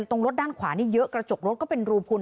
ตรงรถด้านขวานี่เยอะกระจกรถก็เป็นรูพุน